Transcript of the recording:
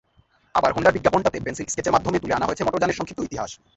আবার হোন্ডার বিজ্ঞাপনটাতে পেনসিল স্কেচের মাধ্যমে তুলে আনা হয়েছে মোটরযানের সংক্ষিপ্ত ইতিহাস।